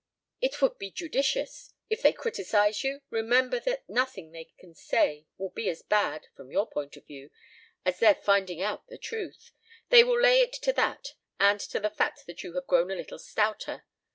"It would be judicious. If they criticize you, remember that nothing they can say will be as bad from your point of view as their finding out the truth. They will lay it to that, and to the fact that you have grown a little stouter.